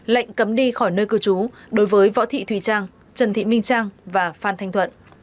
lệnh cấm đi khỏi nơi cư trú đối với võ thị thùy trang trần thị minh trang và phan thanh thuận